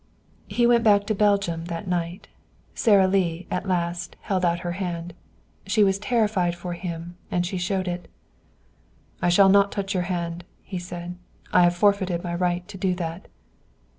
He went back to Belgium that night. Sara Lee, at the last, held out her hand. She was terrified for him, and she showed it. "I shall not touch your hand," he said. "I have forfeited my right to do that."